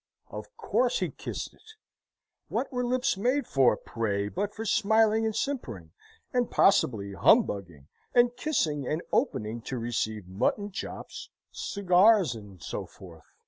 Of course he kissed it. What were lips made for, pray, but for smiling and simpering, and (possibly) humbugging, and kissing, and opening to receive mutton chops, cigars, and so forth?